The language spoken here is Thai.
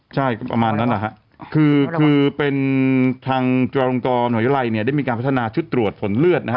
ใช่ประมาณนั้นคือเป็นทางจุฬังกรหน่วยลัยได้มีการพัฒนาชุดตรวจผลเลือด